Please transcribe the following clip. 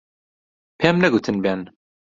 پێم نەگوتن بێن.